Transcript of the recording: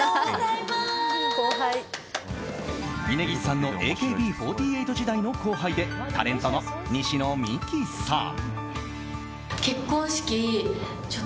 峯岸さんのＡＫＢ４８時代の後輩で、タレントの西野未姫さん。